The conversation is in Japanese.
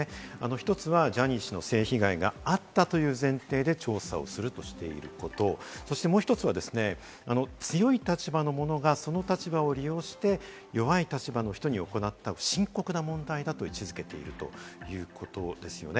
１つはジャニー氏の性被害があったという前提で調査をするとしていること、もう１つは強い立場の者がその立場を利用して、弱い立場の人に行った深刻な問題だと位置付けているということですよね。